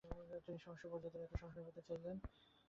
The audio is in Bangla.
তিনি "সহিংস উপায়" দ্বারা এর সংস্কার করতে চাইলেন।